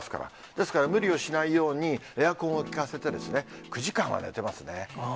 ですから、無理をしないように、エアコンを効かせて、９時間は寝てますね。